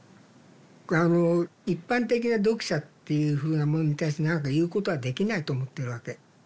あの一般的な読者っていうふうなものに対して何か言うことはできないと思ってるわけ。